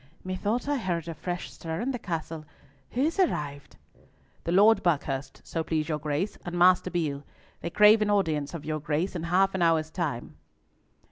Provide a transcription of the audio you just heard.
"Methought I heard a fresh stir in the Castle; who is arrived?" "The Lord Buckhurst, so please your Grace, and Master Beale. They crave an audience of your Grace in half an hour's time."